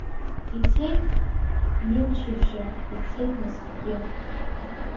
Ицеит ҩымчыбжьа, ицеит мызкгьы.